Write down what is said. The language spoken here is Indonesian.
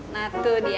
nah tuh dia